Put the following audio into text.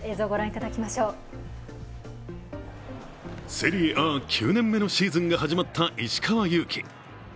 セリエＡ、９年目のシーズンが始まった石川祐希。